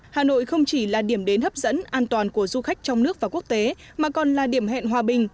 hà nội không chỉ là điểm đến hấp dẫn an toàn của du khách trong nước và quốc tế mà còn là điểm hẹn hòa bình